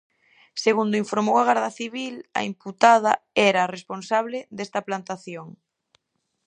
Segundo informou a Garda Civil, a imputada era a responsable desta plantación.